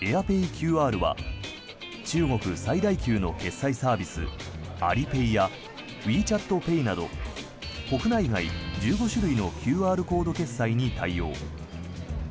ＱＲは中国最大級の決済サービスＡｌｉｐａｙやＷｅＣｈａｔＰａｙなど国内外１５種類のＱＲコード決済に対応。